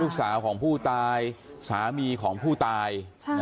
สาวของผู้ตายสามีของผู้ตาย